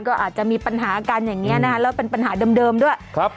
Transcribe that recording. ก็อาจจะมีปัญหากันอย่างนี้นะคะแล้วเป็นปัญหาเดิมด้วยครับ